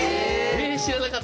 「知らなかった！」